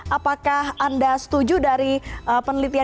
apakah anda setuju dari penelitian